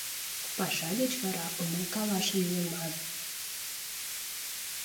Паша деч вара умылкалаш мийыман».